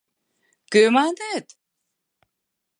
— Кӧ маныт?